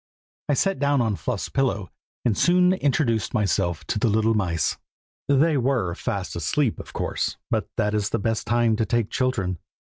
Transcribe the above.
I sat down on Fluff's pillow, and soon introduced myself to the little mice. They were fast asleep, of course, but that is the best time to take children.